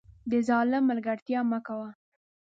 د ظالم ملګرتیا مه کوه